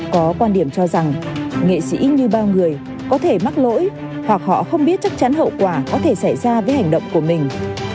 có quan điểm cho rằng nghệ sĩ như bao người có thể mắc lỗi hoặc họ không biết chắc chắn hậu quả có thể xảy ra với hành động của mình